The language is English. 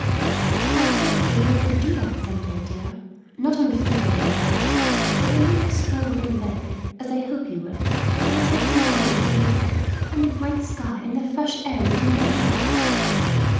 "I hope you will be able to do that, some day, dear. Not on foot, I am afraid; but when you get stronger and better, as I hope you will, we will take you round in a litter, and the bright sky and the fresh air will do you good."